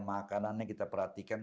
makanannya kita perhatikan